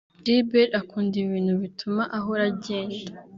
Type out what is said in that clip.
Gilbert akunda ibintu bituma ahora agenda